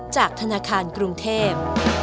จากธนาคารกรุงเทพ